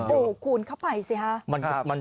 โอ้โหคูณเข้าไปสิฮะ